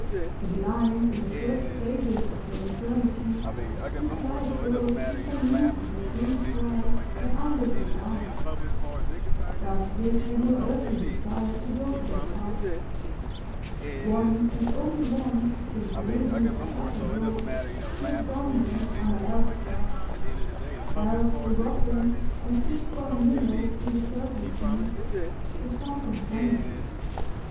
The blind in the first stages of their infirmity dislike those who can move with a free stride and unlifted arms—but Dick had no earthly desire to go to the Parks. Once and only once since Maisie had shut her door he had gone there under Alf's charge. Alf forgot him and fished for minnows in the Serpentine with some companions.